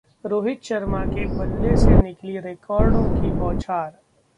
रोहित शर्मा के बल्ले से निकली रिकॉर्डों की बौछार